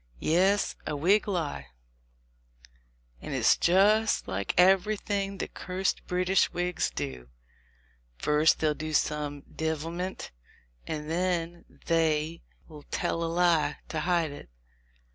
"Yes, a Whig lie ; and it's just like everything the cursed British Whigs do. First they'll do some divilment, and then they'll tell a lie to hide it.